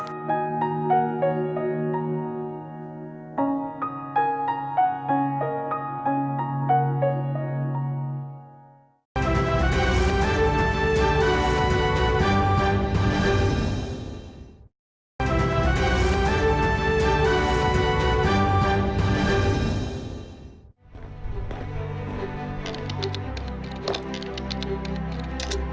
as semuanya itu